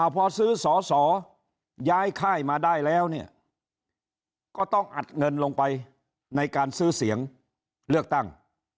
พอซื้อสอสอย้ายค่ายมาได้แล้วเนี่ยก็ต้องอัดเงินลงไปในการซื้อเสียงเลือกตั้ง